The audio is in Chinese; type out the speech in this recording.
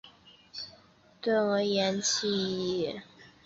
钝额岩瓷蟹为瓷蟹科岩瓷蟹属下的一个种。